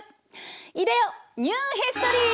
いでよニューヒストリー！